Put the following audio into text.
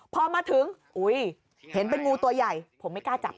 พอมาถึงอุ้ยเห็นเป็นงูตัวใหญ่ผมไม่กล้าจับ